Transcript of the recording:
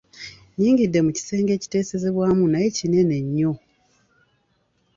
Nyingidde mu kisenge ekiteesezebwamu naye kinene nnyo.